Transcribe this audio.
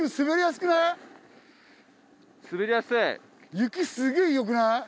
雪すげぇ良くない？